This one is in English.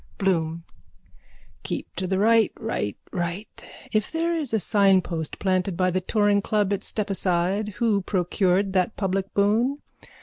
_) BLOOM: Keep to the right, right, right. If there is a signpost planted by the Touring Club at Stepaside who procured that public boon?